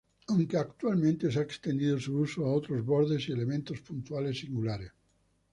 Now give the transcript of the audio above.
Aunque actualmente se ha extendido su uso a otros bordes y elementos puntuales singulares.